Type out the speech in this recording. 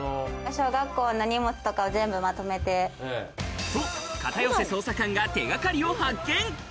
小学校の荷物とかを全部まと片寄捜査官が手掛かりを発見。